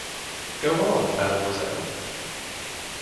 Go on, Mademoiselle.